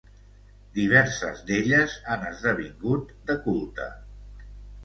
Diverses d'elles han esdevingut de culte.